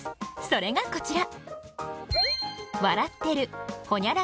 それがこちら！